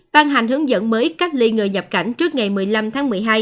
ban hành hướng dẫn mới cách ly người nhập cảnh trước ngày một mươi năm tháng một mươi hai